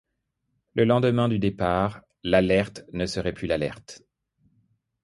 Le lendemain du départ, l’Alert ne serait plus l’Alert...